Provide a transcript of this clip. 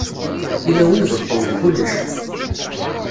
Tilawin beṭṭunt kullec.